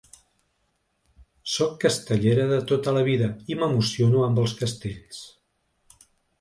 Sóc castellera de tota la vida i m’emociono amb els castells.